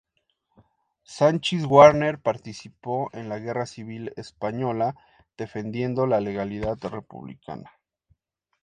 Sanchis Guarner participó en la Guerra Civil Española defendiendo la legalidad republicana.